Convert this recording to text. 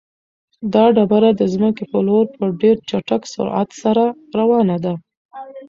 دا ډبره د ځمکې په لور په ډېر چټک سرعت سره روانه ده.